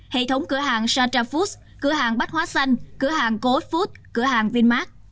hệ thống cửa hàng shatcha foods cửa hàng bát hóa xanh cửa hàng co op food cửa hàng vinmart